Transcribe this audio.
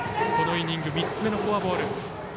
このイニング３つ目のフォアボール。